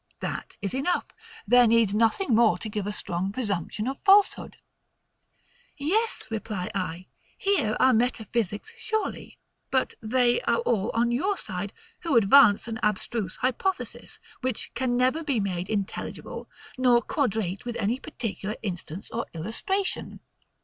That is enough; there needs nothing more to give a strong presumption of falsehood. Yes, reply I, here are metaphysics surely; but they are all on your side, who advance an abstruse hypothesis, which can never be made intelligible, nor quadrate with any particular instance or illustration.